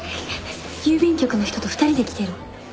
郵便局の人と２人で来てる。